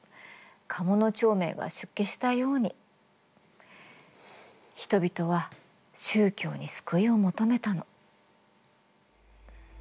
鴨長明が出家したように人々は宗教に救いを求めたの。